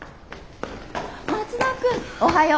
松田君おはよう。